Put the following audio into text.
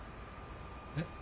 えっ？